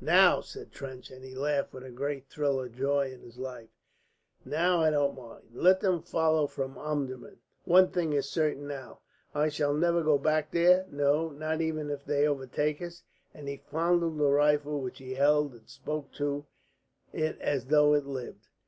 "Now," said Trench, and he laughed with a great thrill of joy in the laugh. "Now I don't mind. Let them follow from Omdurman! One thing is certain now: I shall never go back there; no, not even if they overtake us," and he fondled the rifle which he held and spoke to it as though it lived.